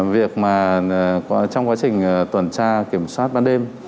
việc mà trong quá trình tuần tra kiểm soát ban đêm